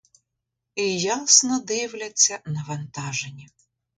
І ясно дивляться навантажені.